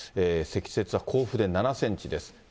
積雪は甲府で７センチです。